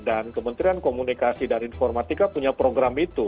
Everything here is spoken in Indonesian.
dan kementerian komunikasi dan informatika punya program itu